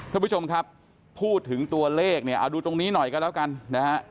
ทุกผู้ชมครับพูดถึงตัวเลขดูตรงนี้หน่อยก็แล้วกัน